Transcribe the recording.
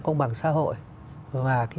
công bằng xã hội và cái